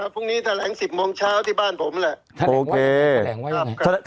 พรุ่งนี้แถลงสิบโมงเช้าที่บ้านผมแหละท่าแหละแหล่ง